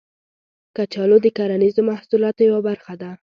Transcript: کچالو د کرنیزو محصولاتو یوه برخه ده